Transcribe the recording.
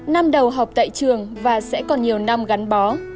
năm đầu học tại trường và sẽ còn nhiều năm gắn bó